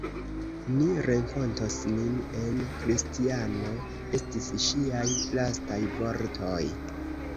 Ni renkontos nin en Kristiano, estis ŝiaj lastaj vortoj.